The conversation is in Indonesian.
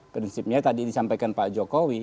prinsipnya tadi disampaikan pak jokowi